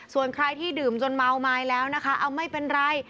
ส่วนใครที่ดื่มจนเมาไม้แล้วนะคะเอาไม่เป็นไร